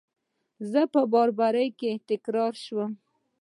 زه به بار، بار تکرار شم